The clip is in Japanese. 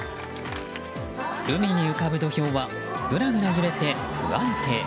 海に浮かぶ土俵はぐらぐら揺れて不安定。